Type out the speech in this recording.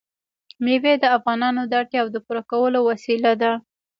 مېوې د افغانانو د اړتیاوو د پوره کولو وسیله ده.